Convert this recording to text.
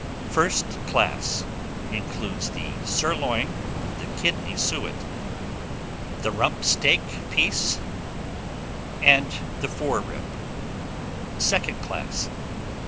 First class. includes the sirloin, with the kidney suet (1), the rump steak piece (2), the fore rib (9). Second class.